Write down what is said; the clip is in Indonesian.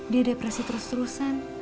dia depresi terus terusan